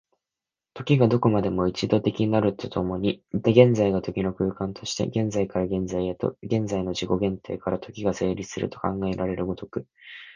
時がどこまでも一度的なると共に、現在が時の空間として、現在から現在へと、現在の自己限定から時が成立すると考えられる如く、